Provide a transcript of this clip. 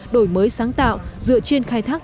đổi mới sáng tạo dựa trên khai thác